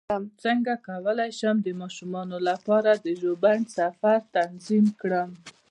څنګه کولی شم د ماشومانو لپاره د ژوبڼ سفر تنظیم کړم